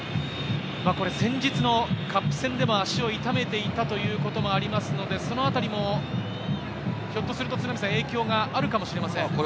これは先日のカップ戦でも足を痛めていたということもありますので、そのあたりもひょっとすると影響があるかもしれません。